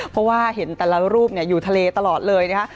เพราะว่าเห็นแต่ละรูปอยู่ทะเลตลอดเลยนะคะ